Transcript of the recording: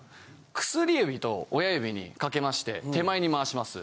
薬指と親指にかけまして手前に回します。